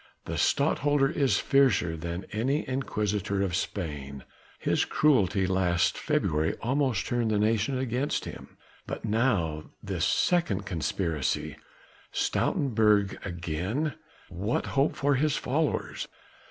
The Stadtholder is fiercer than any Inquisitor of Spain ... his cruelty last February almost turned the nation against him. But now this second conspiracy Stoutenburg again! what hope for his followers?